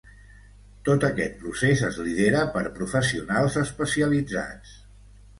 Tot aquest procés es lidera per professionals especialitzats.